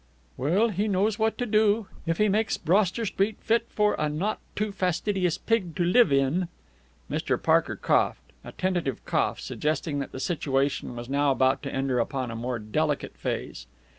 "Well, he knows what to do. If he makes Broster Street fit for a not too fastidious pig to live in " Mr. Parker coughed. A tentative cough, suggesting that the situation was now about to enter upon a more delicate phase.